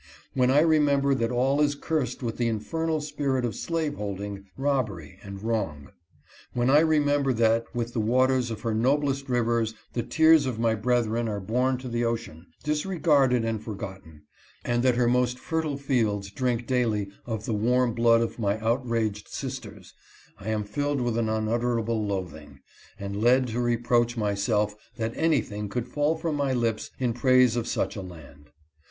When I remember that all is cursed with the infernal spirit of slaveholding, robbery, and wrong ; when I remember that with the waters of her noblest rivers the tears of my brethren are borne to the ocean, disre garded and forgotten, and that her most fertile fields drink daily of the warm blood of my outraged sisters, I am filled with unutterable loathing, and led to reproach myself that anything could fall from my lips in praise of such a land.